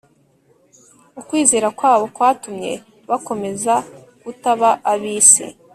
Ukwizera kwabo kwatumye bakomeza kutaba ab’isi